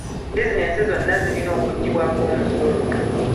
Bizinensi zonna zirina okugibwako omusolo.